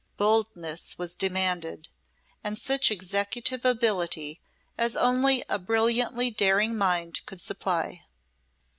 Boldness was demanded, and such executive ability as only a brilliantly daring mind could supply.